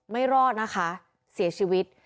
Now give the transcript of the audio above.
ไม่รอดนะคะเสียชีวิต